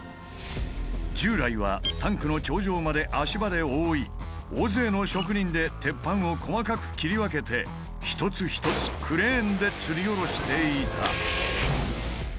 従来はタンクの頂上まで足場で覆い大勢の職人で鉄板を細かく切り分けて一つ一つクレーンでつりおろしていた。